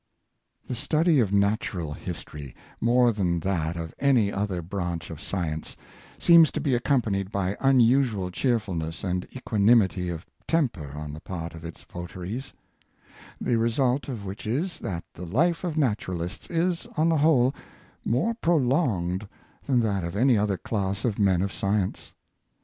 The study of natural history, more than that of any other branch of science, seems to be accompanied by unusual cheerfulness and equanimity of temper on the part of its votaries; the result of which is, that the life of naturalists is, on the whole, more prolonged than that of any other class of men of science.